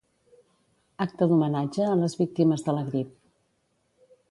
Acte d'homenatge a les víctimes de la grip.